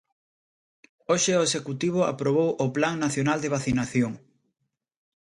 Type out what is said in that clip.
Hoxe o executivo aprobou o plan nacional de vacinación.